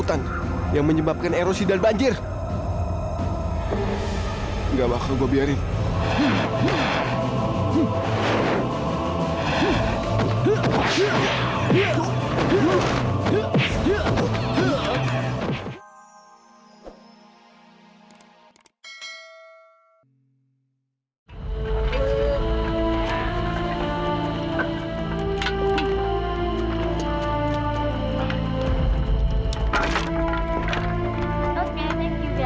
terima kasih teman teman